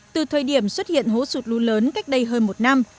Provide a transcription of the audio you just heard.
từ thời điểm xuất hiện hố sụt lún lớn cách đây hơn một năm